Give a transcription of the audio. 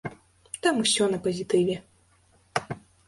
Там усё на пазітыве.